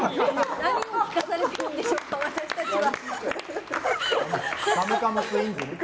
何を聞かされているんでしょうか私たちは。